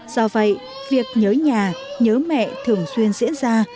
do vậy việc nhớ nhà nhớ mẹ thường xuyên diễn ra